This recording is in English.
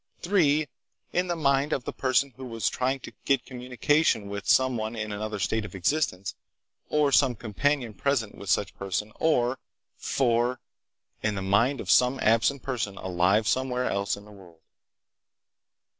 "3. In the mind of the person who was trying to get communication with some one in another state of existence, or some companion present with such person, or, "4. In the mind of some absent person alive somewhere else in the world."